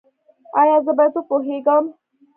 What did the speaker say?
ایا زه باید وپوهیږم؟